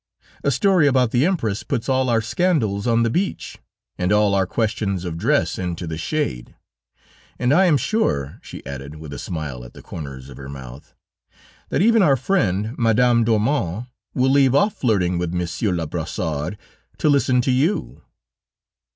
A story about the Empress puts all our scandals on the beach, and all our questions of dress into the shade, and, I am sure," she added with a smile at the corners of her mouth, "that even our friend, Madame d'Ormonde will leave off flirting with Monsieur Le Brassard to listen to you."